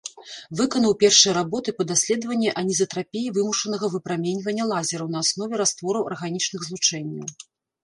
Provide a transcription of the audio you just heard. Выканаў першыя работы па даследаванні анізатрапіі вымушанага выпраменьвання лазераў на аснове раствораў арганічных злучэнняў.